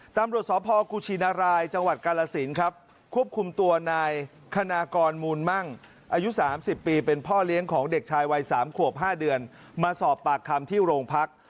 ตำรวจสพกุชินรายจังหวัดกาลสินครับควบคุมตัวนายคณากรมูลมั่งอายุ๓๐ปีเป็นพ่อเลี้ยงของเด็กชายวัย๓ขวบ๕เดือนมาสอบปากคำที่โรงพัก